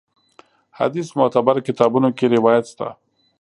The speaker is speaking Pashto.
حدیث معتبرو کتابونو کې روایت شته.